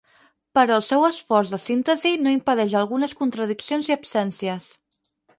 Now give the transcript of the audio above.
Però el seu esforç de síntesi no impedeix algunes contradiccions i absències.